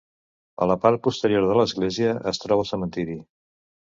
A la part posterior de l'església es troba el cementiri.